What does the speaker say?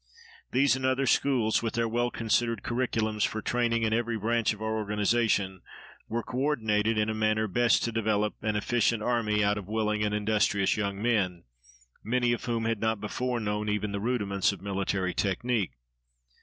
These and other schools, with their well considered curriculums for training in every branch of our organization, were co ordinated in a manner best to develop an efficient army out of willing and industrious young men, many of whom had not before known even the rudiments of military technique.